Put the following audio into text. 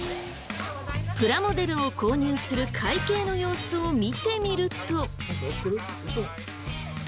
プラモデルを購入する会計の様子を見てみると。